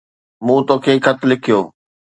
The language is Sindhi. مون توکي خط لکيو